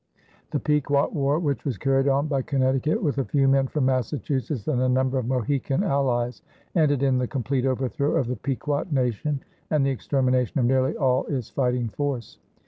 The Pequot War, which was carried on by Connecticut with a few men from Massachusetts and a number of Mohegan allies, ended in the complete overthrow of the Pequot nation and the extermination of nearly all its fighting force.